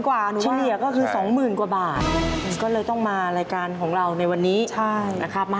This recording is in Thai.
ค่าทุกอย่างก็เกือบหมื่นนะครับค่าทุกอย่างก็เกือบหมื่นนะครับ